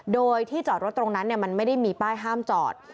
โดยที่จอดรถตรงนั้นมันไม่ได้มีป้ายห้ามจอด